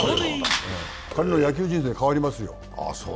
彼の野球人生、変わりますよ。